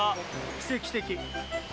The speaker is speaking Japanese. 奇跡的。